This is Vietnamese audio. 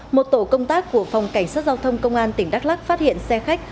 một tổ công tác của phòng cảnh sát giao thông công an tỉnh đắk lắc phát hiện xe khách